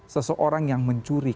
seseorang yang mencuri